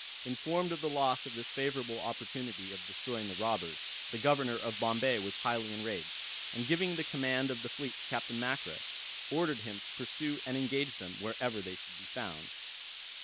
Informed of the loss of this favorable opportunity of destroying the robbers, the governor of Bombay was highly enraged, and giving the command of the fleet to Captain Mackra, ordered him to pursue and engage them wherever they should be found.